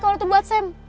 kalau itu buat sam